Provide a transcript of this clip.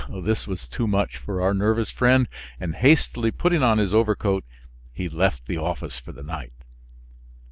This was too much for our nervous friend, and hastily putting on his overcoat, he left the office for the night.